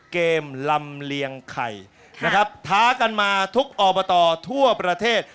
ลำเลียงไข่นะครับท้ากันมาทุกอบตทั่วประเทศ